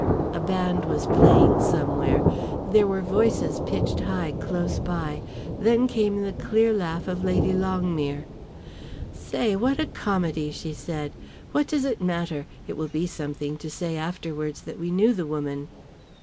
A band was playing somewhere; there were voices pitched high close by; then came the clear laugh of Lady Longmere. "Say, what a comedy!" she said. "What does it matter? It will be something to say afterwards that we knew the woman."